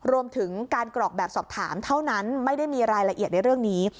รวมถึงการกรอกแบบสอบถามเท่านั้นไม่ได้มีรายละเอียดในเรื่องนี้